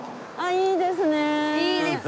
いいですね。